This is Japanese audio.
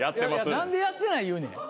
何でやってない言うねん。